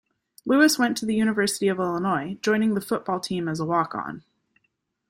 Lewis went to the University of Illinois, joining the football team as a walk-on.